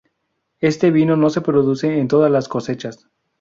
Este vino no se produce en todas las cosechas.